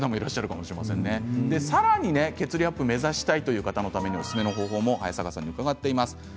さらに血流アップを目指したいという方のためにおすすめの方法を伺っています。